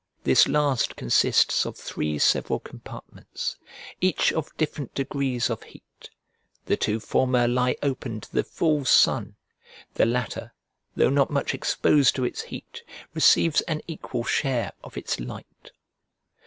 This last consists of three several compartments, each of different degrees of heat; the two former lie open to the full sun, the latter, though not much exposed to its heat, receives an equal share of its light.